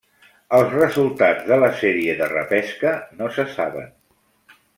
Els resultats de la sèrie de repesca no se saben.